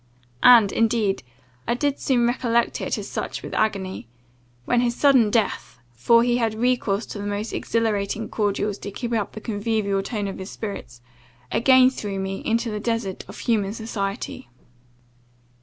And, indeed, I soon did recollect it as such with agony, when his sudden death (for he had recourse to the most exhilarating cordials to keep up the convivial tone of his spirits) again threw me into the desert of human society.